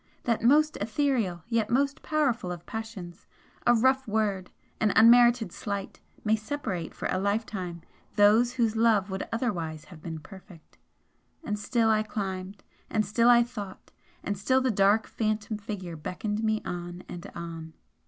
that most etherial yet most powerful of passions! a rough word, an unmerited slight, may separate for a lifetime those whose love would otherwise have been perfect. And still I climbed, and still I thought, and still the dark Phantom Figure beckoned me on and on.